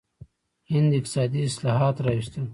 هند اقتصادي اصلاحات راوستل.